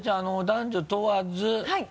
男女問わずはい。